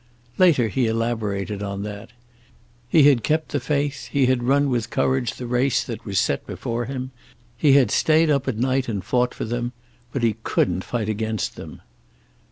Later he elaborated on that. He had kept the faith. He had run with courage the race that was set before him. He had stayed up at night and fought for them. But he couldn't fight against them.